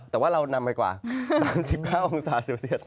แต่ว่าเรานำไปกว่า๓๙องศาเซลเซียต